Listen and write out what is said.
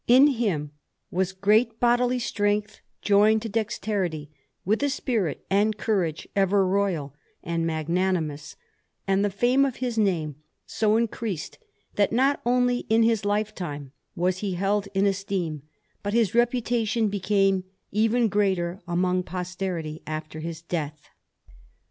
In him was great bodily strength, joined to dexterity, with a spirit and courage ever royal and magnanimous; and the fame of his name so increased, that not only in his lifetime was he held in esteem, but his reputation became even greater among posterity after his death.